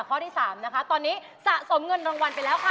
ข้อที่๓นะคะตอนนี้สะสมเงินรางวัลไปแล้วค่ะ